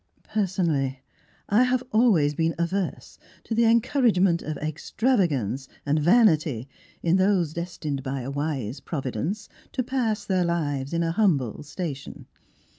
Personally, I have always been averse to the encouragement of extravagance and vanity in those destined by a wise Provi dence to pass their lives in a humble station.